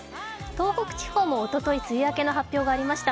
東北地方もおととい梅雨明けの発表がありました。